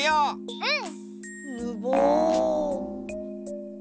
うん！